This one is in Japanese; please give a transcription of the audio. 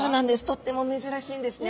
とっても珍しいんですね。